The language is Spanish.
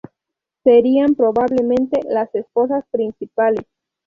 Serían probablemente las esposas principales.